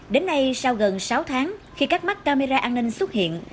đến nay sau gần sáu tháng khi các mắt camera an ninh xuất hiện